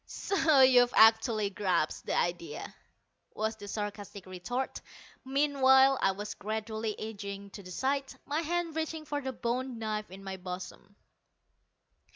"So you've actually grasped the idea!" was the sarcastic retort. Meanwhile I was gradually edging to the side, my hand reaching for the bone knife in my bosom.